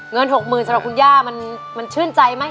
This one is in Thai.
หกหมื่นสำหรับคุณย่ามันชื่นใจไหม